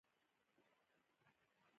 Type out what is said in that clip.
د دوی لاره زموږ لپاره رڼا ده.